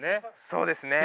そうですね。